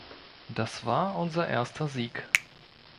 Das war unser erster Sieg.